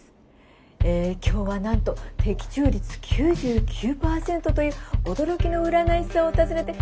えぇ今日はなんと的中率９９％という驚きの占い師さんを訪ねて。